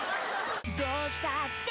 「どうしたって！